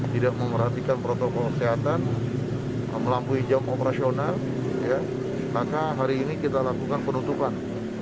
tidak memerhatikan protokol kesehatan melampui jam operasional maka hari ini kita lakukan penutupan